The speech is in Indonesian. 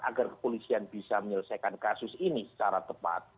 agar kepolisian bisa menyelesaikan kasus ini secara tepat